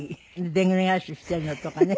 でんぐり返ししているのとかね